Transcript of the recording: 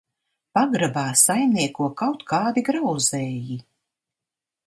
Pagrabā saimnieko kaut kādi grauzēji.